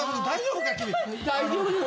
大丈夫。